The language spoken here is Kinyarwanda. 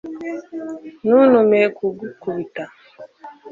ntuntume kugukubita